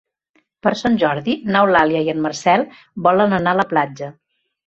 Per Sant Jordi n'Eulàlia i en Marcel volen anar a la platja.